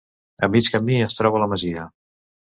A mig camí es troba la masia.